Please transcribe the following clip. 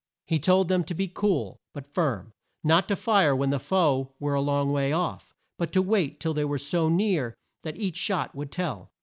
He told them to be cool, but firm; not to fire when the foe were a long way off, but to wait till they were so near that each shot would tell.